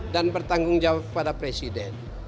dan bertanggung jawab kepada presiden